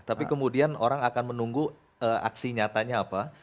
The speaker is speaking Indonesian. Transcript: tapi kemudian orang akan menunggu aksi nyatanya apa